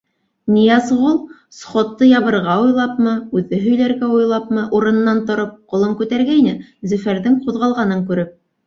Ныязғол, сходты ябырға уйлапмы, үҙе һөйләргә уйлапмы, урынынан тороп, ҡулын күтәргәйне, Зөфәрҙең ҡуҙғалғанын күреп: